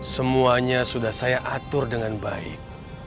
semuanya sudah saya atur dengan baik